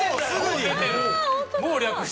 すごいわ。